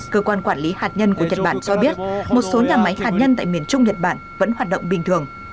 cơ quan quản lý hạt nhân của nhật bản cho biết một số nhà máy hạt nhân tại miền trung nhật bản vẫn hoạt động bình thường